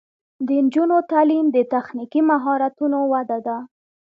د نجونو تعلیم د تخنیکي مهارتونو وده ده.